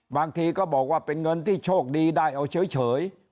บางทีก็บอกว่าเป็นเงินที่โชคดีได้เอาเฉย